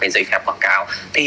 giấy phép quảng cáo